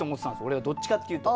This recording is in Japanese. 俺はどっちかって言うと。